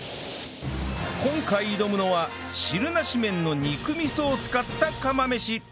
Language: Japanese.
今回挑むのは汁なし麺の肉味噌を使った釜飯